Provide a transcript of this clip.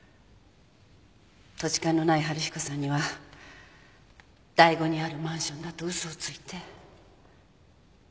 土地勘のない春彦さんには醍醐にあるマンションだと嘘をついて。